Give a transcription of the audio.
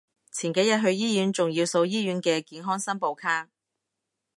前幾日去醫院仲要掃醫院嘅健康申報卡